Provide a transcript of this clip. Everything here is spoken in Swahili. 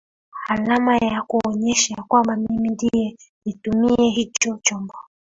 alama ya kuonyesha kwamba mimi ndio nitumie hicho chombo